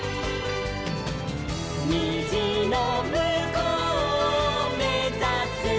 「にじのむこうをめざすのさ」